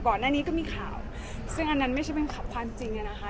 ก่อนหน้านี้ก็มีข่าวซึ่งอันนั้นไม่ใช่เป็นข่าวความจริงอะนะคะ